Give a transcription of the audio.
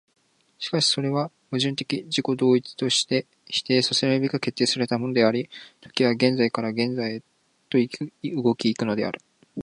しかしそれは矛盾的自己同一として否定せられるべく決定せられたものであり、時は現在から現在へと動き行くのである。